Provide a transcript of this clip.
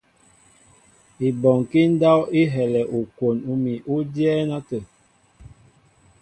Ibɔnkí ndáp i helɛ ukwon úmi ú dyɛ́ɛ́n átə̂.